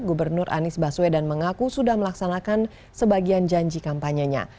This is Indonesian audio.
gubernur anies baswedan mengaku sudah melaksanakan sebagian janji kampanyenya